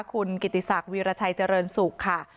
คุณกิติศักดิ์วีรชัยเจริญศูกติกค่ะ